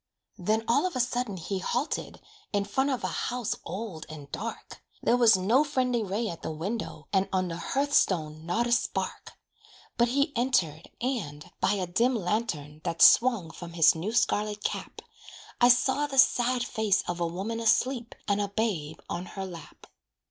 Then all of a sudden he halted In front of a house old and dark. There was no friendly ray at the window, And on the hearth stone not a spark. But he entered, and, by a dim lantern That swung from his new scarlet cap, I saw the sad face of a woman Asleep, and a babe on her lap.